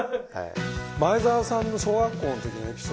前澤さんの小学校のときのエピソード。